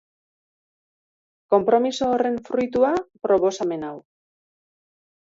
Konpromiso horren fruitua proposamen hau.